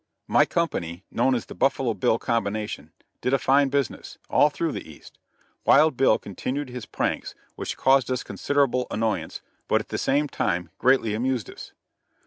My company, known as the "Buffalo Bill Combination," did a fine business, all through the East. Wild Bill continued his pranks, which caused us considerable annoyance, but at the same time greatly amused us.